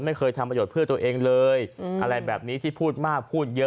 ไม่เคยทำประโยชน์เพื่อตัวเองเลยอะไรแบบนี้ที่พูดมากพูดเยอะ